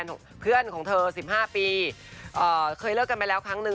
หลายห้าปีเคยเลิกกันไปแล้วครั้งหนึ่ง